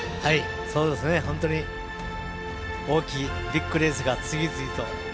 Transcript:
本当に大きいビッグレースが次々と。